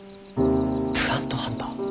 プラントハンター？